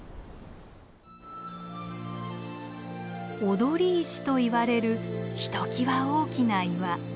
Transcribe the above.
「踊石」といわれるひときわ大きな岩。